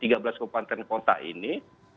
tiga belas kabupaten kota ini